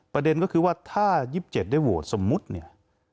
ประเด็นก็คือว่าถ้า๒๗ได้โหวตสมมุติเนี่ย